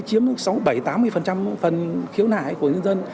chiếm sáu bảy tám mươi phần khiếu nải của nhân dân